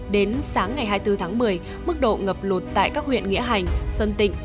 đến sáng ngày hai mươi bốn tháng một mươi mức độ ngập lụt tại các huyện nghĩa hành sơn tịnh